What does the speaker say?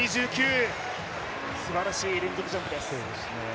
すばらしい連続ジャンプです。